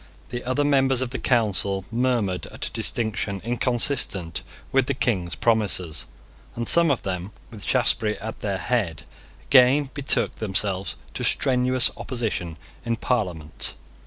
The other members of the Council murmured at a distinction inconsistent with the King's promises; and some of them, with Shaftesbury at their head, again betook themselves to strenuous opposition in Parliament.